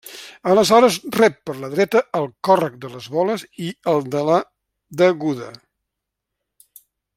Aleshores rep per la dreta el Còrrec de les Voles i el de la Deguda.